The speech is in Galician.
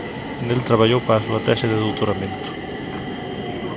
Nel traballou para a súa tese de doutoramento.